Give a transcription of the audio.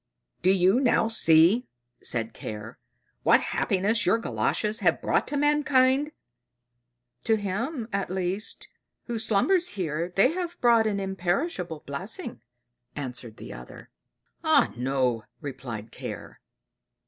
"Do you now see," said Care, "what happiness your Galoshes have brought to mankind?" "To him, at least, who slumbers here, they have brought an imperishable blessing," answered the other. "Ah no!" replied Care.